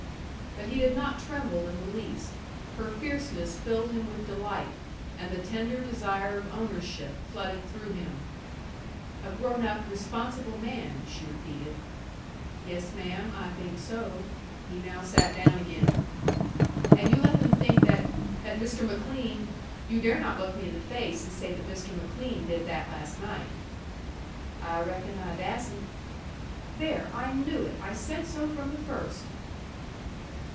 But he did not tremble in the least. Her fierceness filled him with delight, and the tender desire of ownership flooded through him. "A grown up, responsible man," she repeated. "Yes, ma'am. I think so." He now sat down again. "And you let them think that that Mr. McLean You dare not look me in the face and say that Mr. McLean did that last night!" "I reckon I dassent." "There! I knew it! I said so from the first!"